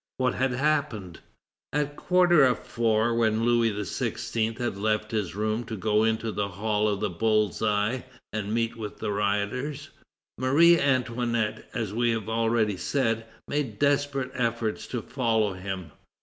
What had happened? At a quarter of four, when Louis XVI. had left his room to go into the hall of the Bull's Eye and meet the rioters, Marie Antoinette, as we have already said, made desperate efforts to follow him.